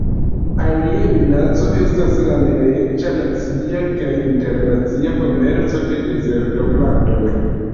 Alia minaco estas la neleĝa nacia kaj internacia komerco de dezerto-plantoj.